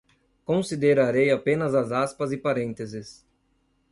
Considerarei apenas as aspas e parênteses